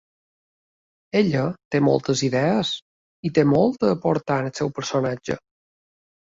Ella té moltes idees, i té molt a aportar al seu personatge.